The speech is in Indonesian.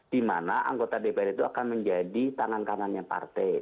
di mana anggota dpr itu akan menjadi tangan kanannya partai